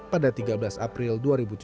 pada tiga belas april dua ribu tujuh belas